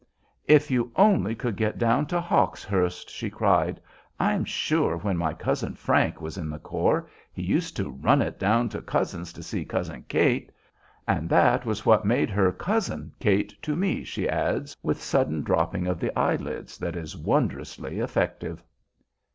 "If you only could get down to Hawkshurst!" she cried. "I'm sure when my cousin Frank was in the corps he used to 'run it' down to Cozzens's to see Cousin Kate, and that was what made her Cousin Kate to me," she adds, with sudden dropping of the eyelids that is wondrously effective.